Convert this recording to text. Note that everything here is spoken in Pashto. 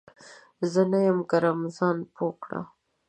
زه نه یم ګرم ، ځان پوه کړه !